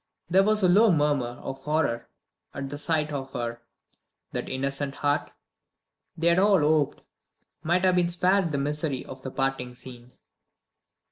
There was a low murmur of horror at the sight of her. That innocent heart, they had all hoped, might have been spared the misery of the parting scene!